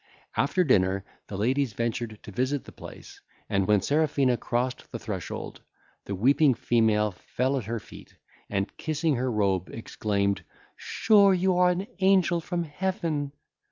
After dinner, the ladies ventured to visit the place, and when Serafina crossed the threshold, the weeping female fell at her feet, and, kissing her robe, exclaimed, "Sure you are an angel from heaven."